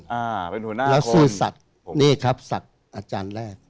แล้วซื้อสัตว์นี่ครับสัตว์อาจารย์แรก